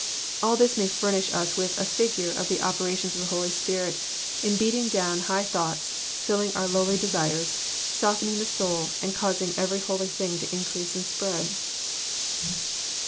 All this may furnish us with a figure of the operations of the Holy Spirit in beating down high thoughts, filling our lowly desires, softening the soul, and causing every holy thing to increase and spread.